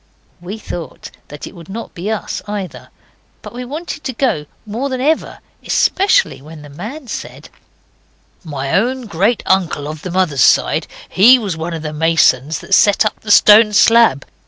We thought that it would not be us either, but we wanted to go more than ever, especially when the man said 'My own great uncle of the mother's side, he was one of the masons that set up the stone slab.